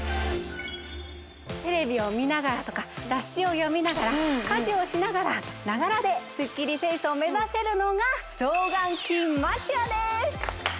テレビを見ながらとか雑誌を読みながら家事をしながらながらでスッキリフェイスを目指せるのがゾーガンキンマチュアです